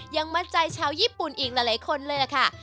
ยังมัดใจชาวญี่ปุ่นอีกหลายคนเลยล่ะค่ะ